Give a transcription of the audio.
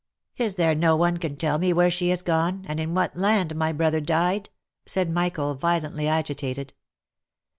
" Is there no one can tell me where she is gone, and in what land my brother died?" said Michael, violently agitated.